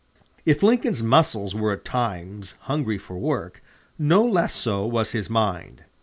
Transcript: If Lincoln's muscles were at times hungry for work, not less so was his mind.